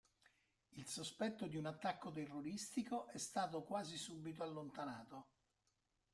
Il sospetto di un attacco terroristico è stato quasi subito allontanato.